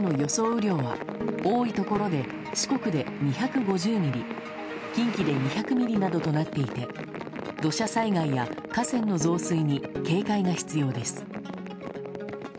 雨量は多いところで、四国で２５０ミリ近畿で２００ミリなどとなっていて土砂災害や河川の増水に警戒が必要です。